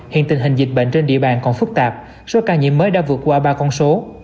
hiện tình hình dịch bệnh trên địa bàn còn phức tạp số ca nhiễm mới đã vượt qua ba con số